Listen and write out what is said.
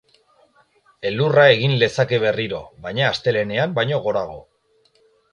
Elurra egin lezake berriro, baina astelehenean baino gorago.